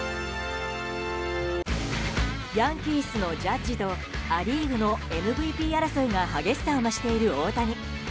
ヤンキースのジャッジとア・リーグのＭＶＰ争いが激しさを増している大谷。